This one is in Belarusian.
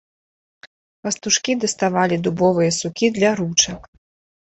Пастушкі даставалі дубовыя сукі для ручак.